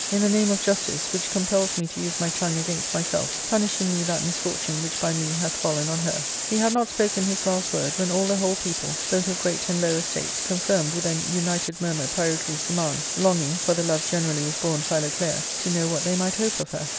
I n the name of justice, which compels me to use my tongue against myself, punish in me that misfortune which by me hath fallen on her." He had not spoken his last word, when all the whole people, both of great and low estate, confirmed with an united niur mur Pyrocles' demand, longing, for the love generally was borne Philoclea, to know what they might hope of her.